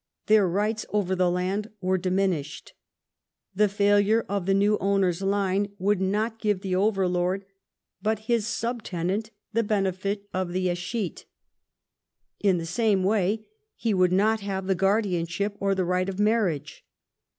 Their rights over the land were diminished. The failure of the new owner's line Avould not give the overlord but his sub tenant the benefit of the escheat. In the same way he would not have the guardianship or the right of marriage.